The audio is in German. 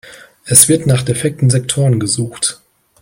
Es wird nach defekten Sektoren gesucht.